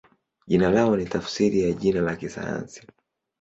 Jina lao ni tafsiri ya jina la kisayansi.